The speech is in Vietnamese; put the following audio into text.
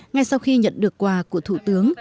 ngay sau khi nhận được quà của thủ tướng